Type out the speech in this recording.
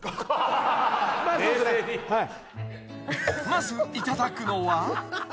［まずいただくのは］